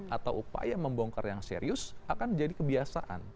atau upaya membongkar yang serius akan jadi kebiasaan